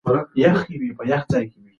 که سند وي نو لیاقت نه ضایع کیږي.